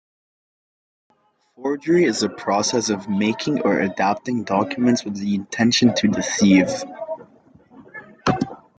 Forgery is the process of making or adapting documents with the intention to deceive.